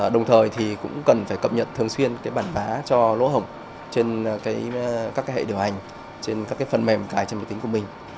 đồng thời thì cũng cần phải cập nhật thường xuyên bản bá cho lỗ hổng trên các hệ điều hành trên các phần mềm cài trên máy tính của mình